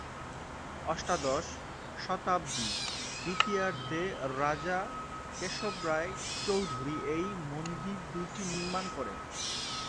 অষ্টাদশ শতাব্দীর দ্বিতীয়ার্ধে রাজা কেশবরায় চৌধুরী এই মন্দির দুইটি নির্মাণ করেন।